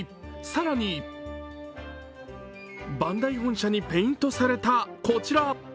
更に、バンダイ本社にペイントされたこちら。